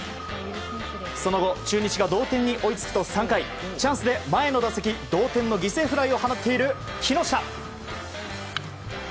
その後、中日が同点に追いつくと３回チャンスで前の打席、同点の犠牲フライを放った木下。